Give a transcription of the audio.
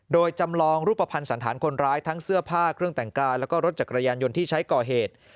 โดยจำลองรูปภัณฑ์สันธารคนร้ายทั้งเสื้อผ้าเครื่องแต่งกายแล้วก็รถจักรยานยนต์ที่ใช้ก่อเหตุ